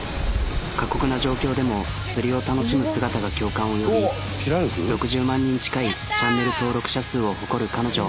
過酷な状況でも釣りを楽しむ姿が共感を呼び６０万人近いチャンネル登録者数を誇る彼女。